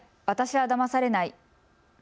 私はだまされない。